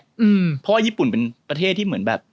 เพราะว่าญี่ปุ่นเป็นประเทศที่เหมือนแบบ